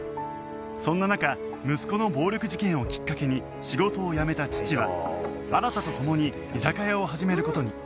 そんな中息子の暴力事件をきっかけに仕事を辞めた父は新と共に居酒屋を始める事に